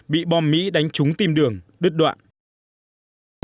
bị bom mỹ đánh trúng tìm đường đứt đoạn